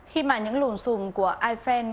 khi mà những lùn xùm của ifan